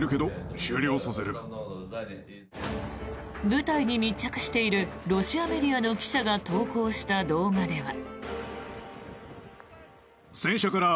部隊に密着しているロシアメディアの記者が投稿した動画では。